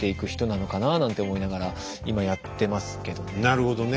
なるほどね。